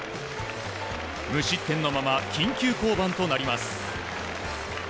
無失点のまま緊急降板となります。